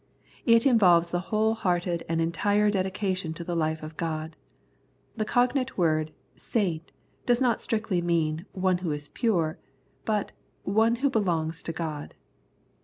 It involves the whole hearted and entire dedication of the life to God. The cognate word " saint " does not strictly mean " one who is pure," but " one who belongs to God."